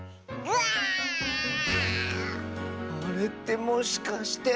あれってもしかして。